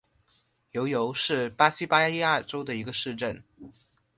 尤尤是巴西巴伊亚州的一个市镇。